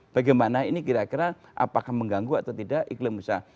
bagaimana ini kira kira apakah mengganggu atau tidak iklim usaha